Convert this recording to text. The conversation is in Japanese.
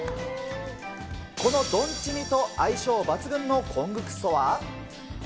このドンチミと相性抜群のコングクスとは。